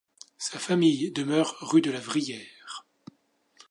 Sa famille demeure rue de La Vrillière.